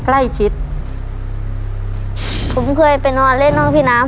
ใกล้ชิดผมเคยไปนอนเล่นห้องพี่น้ำ